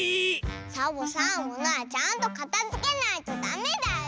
サボさんものはちゃんとかたづけないとダメだよ。